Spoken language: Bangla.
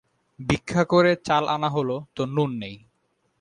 ভিক্ষা করে চাল আনা হল তো নুন নেই।